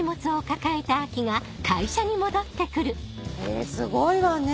えすごいわね！